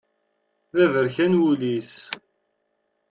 D aberkan wul-is.